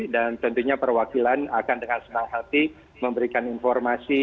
dan tentunya perwakilan akan dengan senang hati memberikan informasi